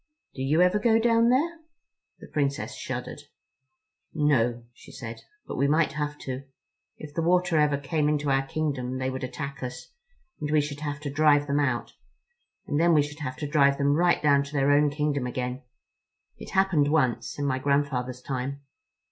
"Do you ever go down there?" The Princess shuddered. "No," she said, "but we might have to. If the water ever came into our kingdom they would attack us, and we should have to drive them out; and then we should have to drive them right down to their own kingdom again. It happened once, in my grandfather's time."